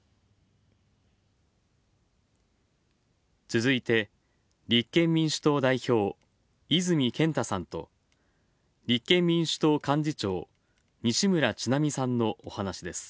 続いて、立憲民主党代表泉健太さんと立憲民主党幹事長西村智奈美さんのお話です。